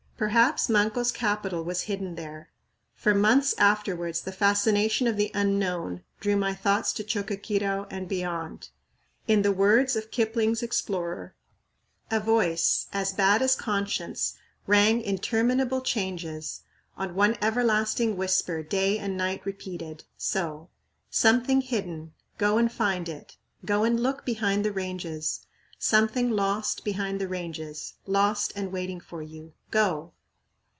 Perhaps Manco's capital was hidden there. For months afterwards the fascination of the unknown drew my thoughts to Choqquequirau and beyond. In the words of Kipling's "Explorer": "... a voice, as bad as Conscience, rang interminable changes On one everlasting Whisper day and night repeated so: 'Something hidden. Go and find it. Go and look behind the Ranges Something lost behind the Ranges. Lost and waiting for you. Go!'